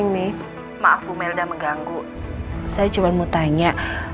maaf bu melda mengganggu saya cuma mau tanya